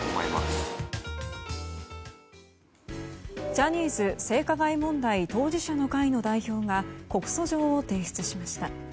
ジャニーズ性加害問題当事者の会の代表が告訴状を提出しました。